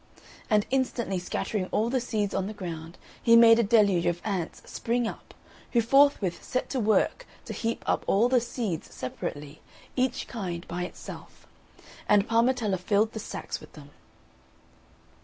And instantly scattering all the seeds on the ground he made a deluge of ants spring up, who forthwith set to work to heap up all the seeds separately, each kind by itself, and Parmetella filled the sacks with them.